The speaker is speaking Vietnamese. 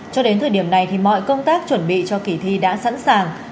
cho đến thời điểm này thì mọi công tác chuẩn bị cho kỳ thi đã sẵn sàng